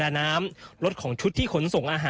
อันนี้คือเต็มร้อยเปอร์เซ็นต์แล้วนะครับ